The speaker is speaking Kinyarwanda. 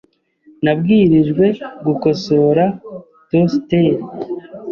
Nabwirijwe gukosora toasteri .